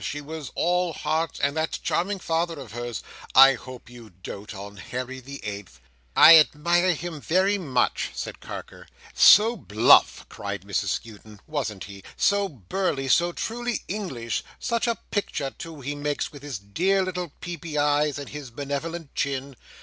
She was all Heart And that charming father of hers! I hope you dote on Harry the Eighth!" "I admire him very much," said Carker. "So bluff!" cried Mrs Skewton, "wasn't he? So burly. So truly English. Such a picture, too, he makes, with his dear little peepy eyes, and his benevolent chin!"